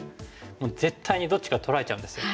もう絶対にどっちか取られちゃうんですよ。